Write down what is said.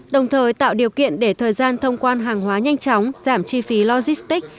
đồng thời tạo điều kiện để thời gian thông quan hàng hóa nhanh chóng giảm chi phí logistics